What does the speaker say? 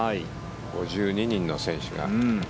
５２人の選手が。